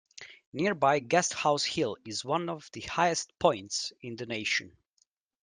Nearby Guesthouse Hill is one of the highest points in the nation.